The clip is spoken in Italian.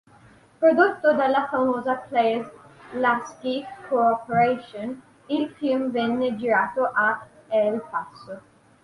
Prodotto dalla Famous Players-Lasky Corporation, il film venne girato a El Paso.